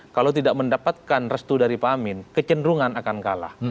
kalau tidak mendapatkan restu dari pak amin kecenderungan akan kalah